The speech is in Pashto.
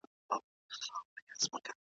سرمایه داري د حرص په بنیاد ده.